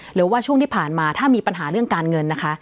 หรือว่าช่วงที่ผ่านมาถ้ามีปัญหาเรื่องการเงินนะคะ